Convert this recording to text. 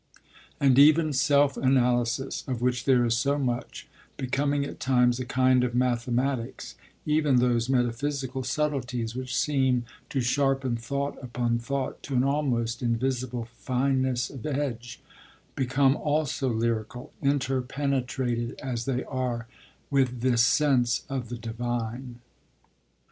And even self analysis, of which there is so much, becoming at times a kind of mathematics, even those metaphysical subtleties which seem, to sharpen thought upon thought to an almost invisible fineness of edge, become also lyrical, inter penetrated as they are with this sense of the divine.